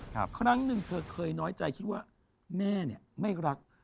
ครั้งหนึ่งเธอเคยน้อยใจคิดว่าแม่เนี่ยไม่รัก